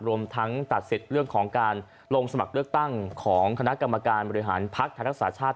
รวมทั้งตัดสิทธิ์เรื่องของการลงสมัครเลือกตั้งของคณะกรรมการบริหารภักดิ์ไทยรักษาชาติ